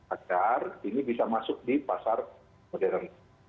agar ini bisa masuk di pasar modern